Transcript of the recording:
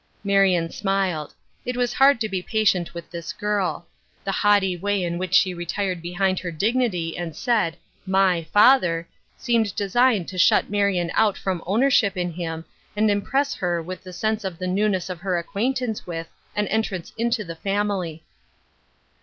Marion smiled. It was hard to be patient with this girl. The haughty way in which she retired behind her dignity and said, " My father," seemed designed to shut Marion out £rom ownership in him, and impress her with Other People's Crosses, 163 the sense of the newness of her acquaintance with and entrance into the family.